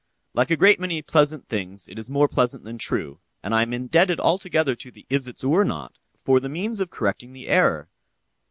like a great many pleasant things, is more pleasant than true, and I am indebted altogether to the "Isitsöornot" for the means of correcting the error.